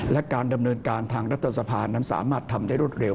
และการดำเนินการทางรัฐสภานั้นสามารถทำได้รวดเร็